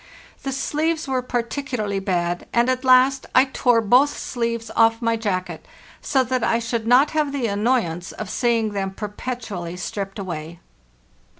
The sleeves were particular ly bad, and at last I tore both sleeves off my jacket, so that I should not have the annoyance of seeing them per petually stripped away.